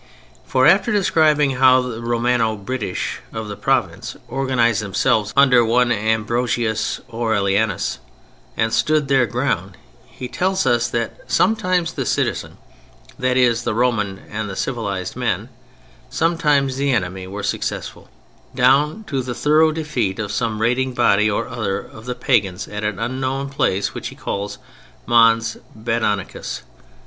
For after describing how the Romano British of the province organized themselves under one Ambrosius Aurelianus, and stood their ground, he tells us that "sometimes the citizens" (that is, the Roman and civilized men) "sometimes the enemy were successful," down to the thorough defeat of some raiding body or other of the Pagans at an unknown place which he calls "Mons Badonicus."